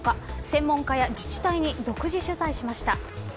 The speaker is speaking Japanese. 専門家や自治体に独自取材しました。